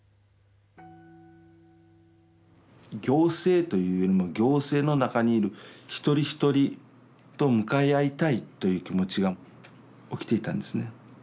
行政というよりも行政の中にいる一人一人と向かい合いたいという気持ちが起きていたんですね。